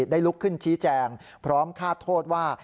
ได้ลุกขึ้นชี้แจงพร้อมฆ่าโทษว่า